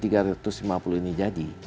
kalau lima tiga ratus lima puluh ini jadi